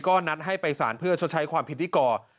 ก็นัดให้ไปสารเพื่อชดใช้ความผิดที่ก่อ